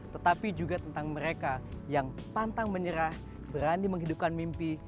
tetapi juga tentang mereka yang pantang menyerah berani menghidupkan mimpi